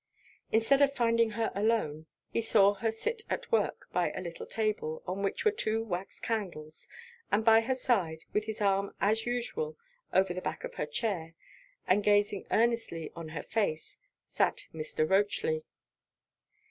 Instead of finding her alone, he saw her sit at work by a little table, on which were two wax candles; and by her side, with his arm, as usual, over the back of her chair, and gazing earnestly on her face, sat Mr. Rochely.